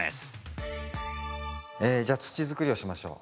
じゃあ土づくりをしましょう。